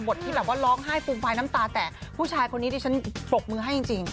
บทที่บอกว่าร้องไห้ฟูงฟายน้ำตาแตกผู้ชายคนนี้ผู้ชายที่ผมปกมือให้จริง